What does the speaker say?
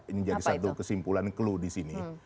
ini jadi satu kesimpulan clue di sini